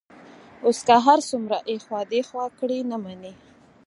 اوس که هر څومره ایخوا دیخوا کړي، نه مني.